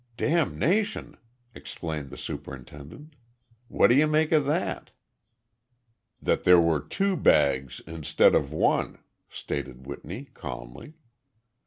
"Damnation!" exclaimed the superintendent. "What do you make of that?" "That there were two bags instead of one," stated Whitney, calmly.